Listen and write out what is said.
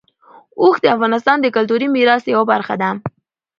اوښ د افغانستان د کلتوري میراث یوه برخه ده.